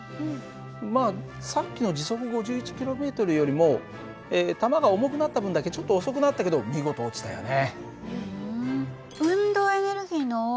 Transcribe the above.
まあさっきの時速５１ｋｍよりも弾が重くなった分だけちょっと遅くなったけど見事落ちたよね。